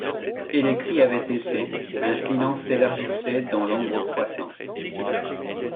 Et les cris avaient cessé, un silence s’élargissait dans l’ombre croissante.